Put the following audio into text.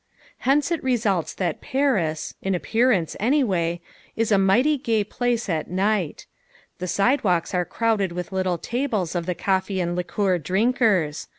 Hence it results that Paris in appearance, anyway is a mighty gay place at night. The sidewalks are crowded with the little tables of the coffee and liqueur drinkers.